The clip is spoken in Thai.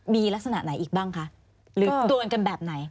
มีลักษณะไหนอีกบ้างคะหรือโดนกันแบบไหน